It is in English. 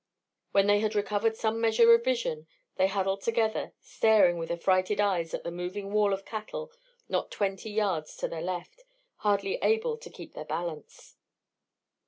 When they had recovered some measure of vision they huddled together, staring with affrighted eyes at the moving wall of cattle not twenty yards to their left, hardly able to keep their balance.